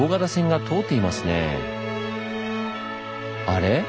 あれ？